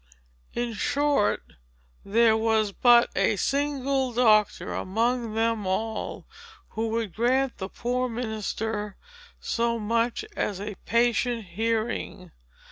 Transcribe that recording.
In short, there was but a single doctor among them all, who would grant the poor minister so much as a patient hearing.